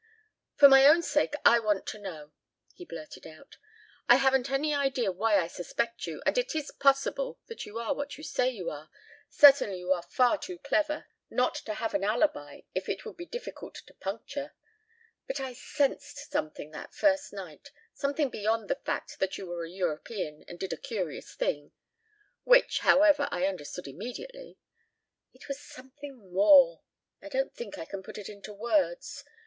"For my own sake I want to know," he blurted out. "I haven't an idea why I suspect you, and it is possible that you are what you say you are. Certainly you are far too clever not to have an alibi it would be difficult to puncture. But I sensed something that first night ... something beyond the fact that you were a European and did a curious thing which, however, I understood immediately. ... It was something more. ... I don't think I can put it into words .